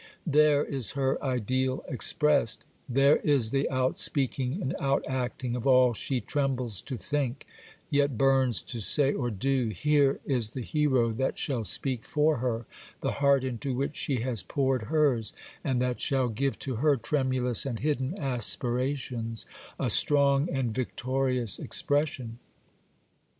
There is her ideal expressed; there is the out speaking and out acting of all she trembles to think, yet burns to say or do; here is the hero that shall speak for her, the heart into which she has poured hers, and that shall give to her tremulous and hidden aspirations a strong and victorious expression.